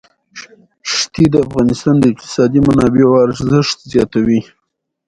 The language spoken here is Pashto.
ښتې د افغانستان د اقتصادي منابعو ارزښت زیاتوي.